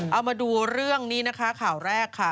เอามาดูเรื่องนี้นะคะข่าวแรกค่ะ